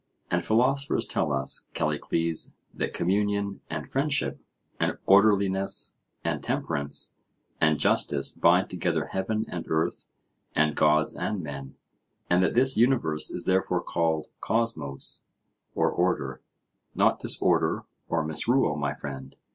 And philosophers tell us, Callicles, that communion and friendship and orderliness and temperance and justice bind together heaven and earth and gods and men, and that this universe is therefore called Cosmos or order, not disorder or misrule, my friend.